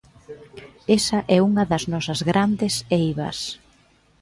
Esa é unha das nosas grandes eivas.